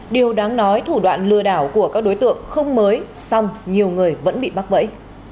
điều đáng nói thủ đoạn lừa đảo của các đối tượng không mới xong nhiều người vẫn bị mắc bẫy